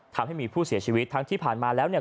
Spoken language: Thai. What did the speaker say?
ทำให้มีผู้เสียชีวิตทั้งที่ผ่านมาแล้วเนี่ย